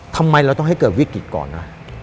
ทำไมเราต้องให้เกิดวิกฤตก่อนนะ